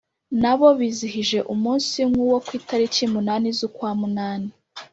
nabo bizihije umunsi nk’uwo ku itariki munani zu ukwamunani